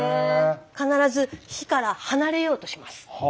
必ず火から離れようとします。